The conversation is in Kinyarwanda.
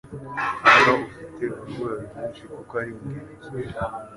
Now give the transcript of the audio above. Hano ufite urubura rwinshi kuko ari ingenzi